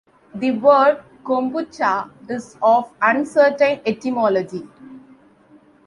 The word "kombucha" is of uncertain etymology.